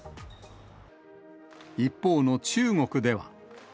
一方の中国では。